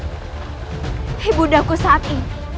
ibu bundaku saat ini